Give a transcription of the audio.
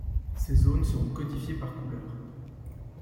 Ces zones seront codifiés par couleurs